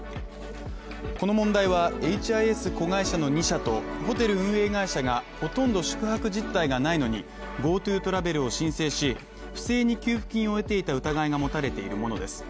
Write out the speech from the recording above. この問題は、ＨＩＳ子会社の２社とホテル運営会社がほとんど宿泊実態がないのに、ＧｏＴｏトラベルを申請し、不正に給付金を得ていた疑いが持たれているものです。